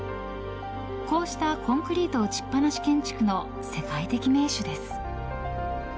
こうしたコンクリート打ちっぱなし建築の世界的名手です。